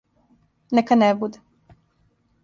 Нека не буде.